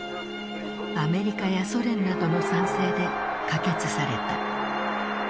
アメリカやソ連などの賛成で可決された。